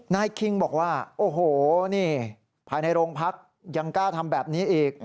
คิงบอกว่าโอ้โหนี่ภายในโรงพักยังกล้าทำแบบนี้อีก